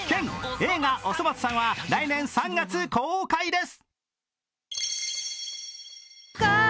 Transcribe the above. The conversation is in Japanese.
映画「おそ松さん」は来年３月公開です。